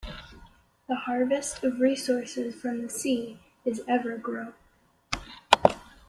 The harvest of resources from the sea is ever growing.